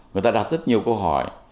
người ta đặt rất nhiều câu hỏi